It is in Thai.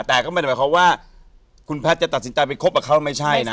แต่ก็ไม่ได้หมายความว่าคุณแพทย์จะตัดสินใจไปคบกับเขาไม่ใช่นะ